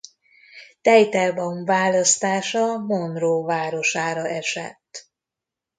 Teitelbaum választása Monroe városára esett.